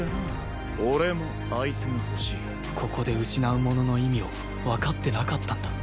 ここで失うものの意味をわかってなかったんだ